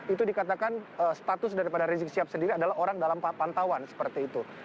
itu dikatakan status daripada rizik sihab sendiri adalah orang dalam pantauan seperti itu